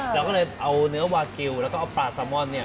เราเรียกก็คือเอาเนื้อวาคิลแล้วปลาซามอน